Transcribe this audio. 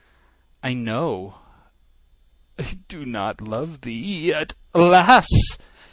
I know I do not love thee! yet, alas!